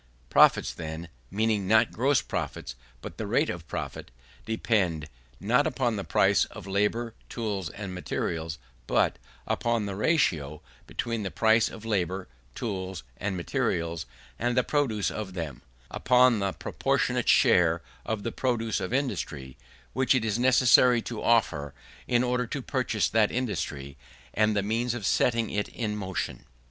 Profits, then (meaning not gross profits, but the rate of profit), depend (not upon the price of labour, tools, and materials but) upon the ratio between the price of labour, tools, and materials, and the produce of them: upon the proportionate share of the produce of industry which it is necessary to offer, in order to purchase that industry and the means of setting it in motion.